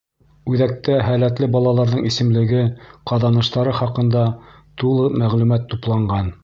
Үҙәктә һәләтле балаларҙың исемлеге, ҡаҙаныштары хаҡында тулы мәғлүмәт тупланған.